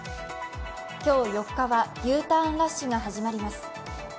今日４日はＵターンラッシュが始まります。